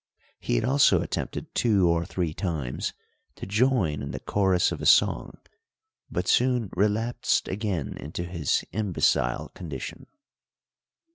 He had also attempted two or three times to join in the chorus of a song, but soon relapsed again into his imbecile condition.